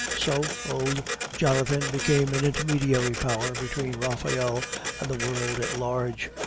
So old Jonathan became an intermediary power between Raphael and the world at large.